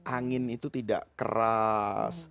angin itu tidak keras